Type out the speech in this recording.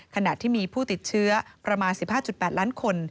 ขณะที่มีผู้ติดเชื้อประมาณ๑๕๘ล้านคน